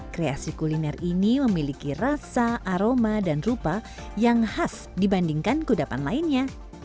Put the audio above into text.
kreasi kuliner ini memiliki rasa aroma dan rupa yang khas dibandingkan kudapan lainnya